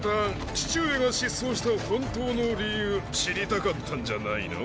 父上が失踪した本当の理由知りたかったんじゃないの？